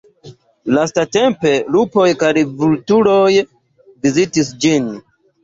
Lastatempe, lupoj kaj vulturoj vizitis ĝin.